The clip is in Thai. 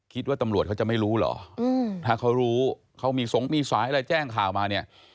คิดว่าตำรวจเขาจะไม่รู้เหรอถ้าเขารู้เขามีสงมีสายอะไรแจ้งข่าวมาเนี่ย